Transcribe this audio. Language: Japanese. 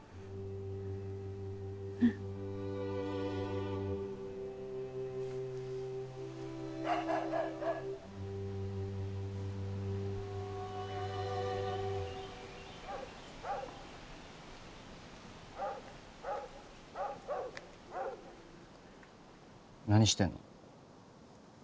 うん何してんの？